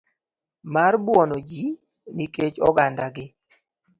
mar buono ji nikech ogandagi.